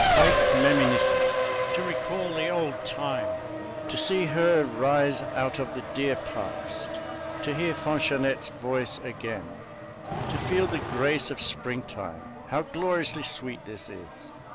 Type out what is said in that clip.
Haec meminisse to recall the old time to see her rise out of the dear past to hear Fanchonette's voice again to feel the grace of springtime how gloriously sweet this is!